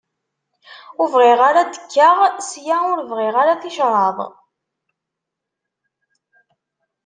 Ur bɣiɣ ara ad d-kkeɣ sya ur bɣiɣ ara ticraḍ.